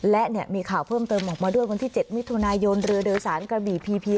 และมีข่าวเพิ่มเติมออกมาด้วยวันที่๗มิถุนายนเรือโดยสารกระบี่พีพี